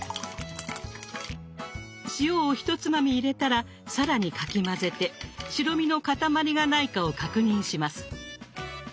塩をひとつまみ入れたら更にかき混ぜて白身の塊がないかを確認します。